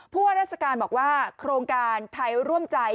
ว่าราชการบอกว่าโครงการไทยร่วมใจ